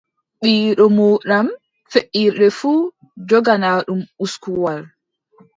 Biiɗo moɗan feʼirde fuu, jogana ɗum uskuwal.